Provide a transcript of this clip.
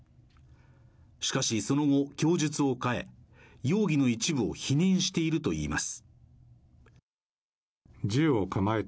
しかし、その後、供述を変え容疑の一部を否認しているといいます。